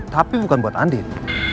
tapi bukan buat andin